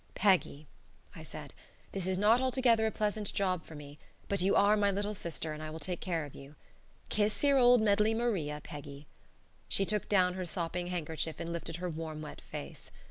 "Peggy," I said, "this is not altogether a pleasant job for me, but you are my little sister and I will take care of you. Kiss your old Meddlymaria, Peggy." She took down her sopping handkerchief and lifted her warm, wet face.